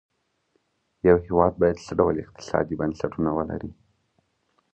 یو هېواد باید څه ډول اقتصادي بنسټونه ولري.